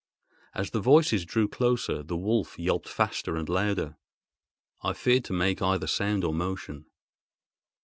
As the voices drew closer, the wolf yelped faster and louder. I feared to make either sound or motion.